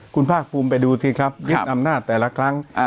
คุณภาคภูมิไปดูสิครับยึดอำนาจแต่ละครั้ง